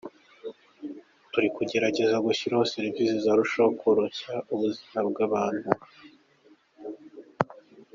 Turi kugerageza gushyiramo serivisi zarushaho koroshya ubuzima bw’abantu.